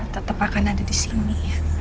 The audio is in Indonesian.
tetep akan ada disini